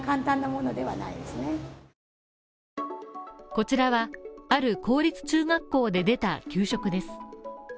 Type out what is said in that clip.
こちらは、ある公立中学校で出た給食です。